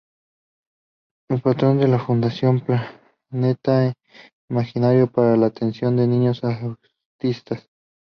Es patrón de la Fundación Planeta Imaginario, para la atención de niños autistas.